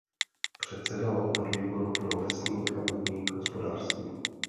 Předsedal podvýboru pro lesní a vodní hospodářství.